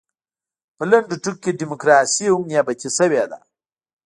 په لنډو ټکو کې ډیموکراسي هم نیابتي شوې ده.